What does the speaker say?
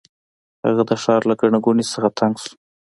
هغه د ښار له ګڼې ګوڼې څخه تنګ شو.